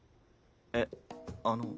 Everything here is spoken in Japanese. えっあの。